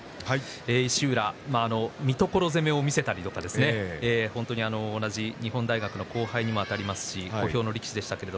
石浦は三所攻めを見せたり日本大学の後輩でもありましたし小兵の力士でした。